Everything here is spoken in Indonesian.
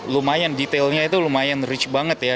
lumayan detailnya itu lumayan rich banget ya